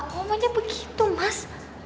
ngomongnya begitu mas